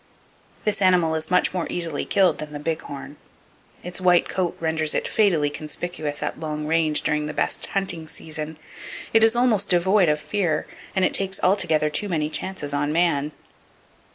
This animal is much more easily killed than the big horn. Its white coat renders it fatally conspicuous at long range during the best hunting season; it is almost devoid of fear, and it takes altogether too many chances on man.